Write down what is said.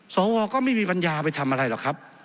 สวก็ไม่มีปัญญาไปทำอะไรหรอกครับ